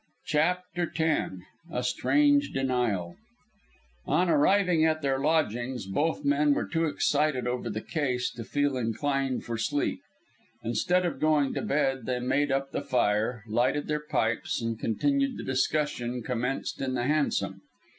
CHAPTER X A STRANGE DENIAL On arriving at their lodgings, both men were too excited over the case to feel inclined for sleep. Instead of going to bed, they made up the fire, lighted their pipes, and continued the discussion commenced in the hansom.